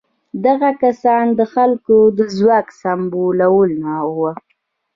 دغه کسان د خلکو د ځواک سمبولونه وو.